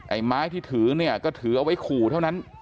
ไม้ที่ถือเนี่ยก็ถือเอาไว้ขู่เท่านั้น